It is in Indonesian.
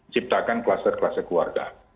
ciptakan kluster kluster keluarga